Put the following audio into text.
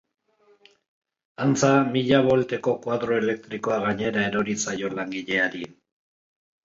Antza, milaka volteko koadro elektrikoa gainera erori zaio langileari.